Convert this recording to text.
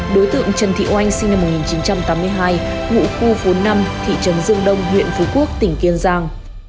đối tượng trần thị oanh sinh năm một nghìn chín trăm tám mươi hai ngụ khu phố năm thị trấn dương đông huyện phú quốc tỉnh kiên giang